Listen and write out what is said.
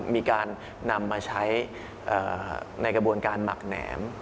มีการนำมาใช้ในกระบวนการหมักแหนม